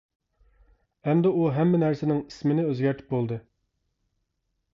ئەمدى ئۇ ھەممە نەرسىنىڭ ئىسمىنى ئۆزگەرتىپ بولدى.